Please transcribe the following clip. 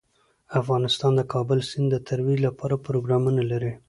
افغانستان د کابل سیند د ترویج لپاره پروګرامونه لري.